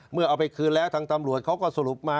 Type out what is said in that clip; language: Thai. เอาไปคืนแล้วทางตำรวจเขาก็สรุปมา